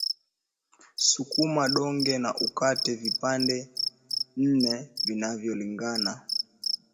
Sukuma donge na ukate vipande nne vinavyolingana